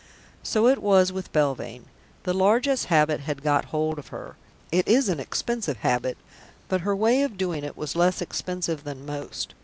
... So it was with Belvane. The largesse habit had got hold of her. It is an expensive habit, but her way of doing it was less expensive than most.